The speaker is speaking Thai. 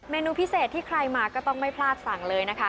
นูพิเศษที่ใครมาก็ต้องไม่พลาดสั่งเลยนะคะ